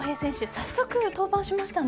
早速、登板しましたね。